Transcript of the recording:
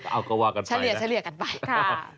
เอาก็ว่ากันไปนะชะเรียกกันไปค่ะ